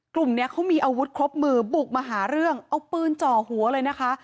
กลุ่มนี้เขามีอาวุธครบมือบุกมาหาเรื่องเอาปืนจ่อหัวเลยนะคะ